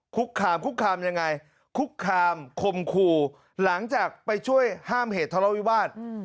คุกคามยังไงคุกคามคมคู่หลังจากไปช่วยห้ามเหตุทะเลาวิวาส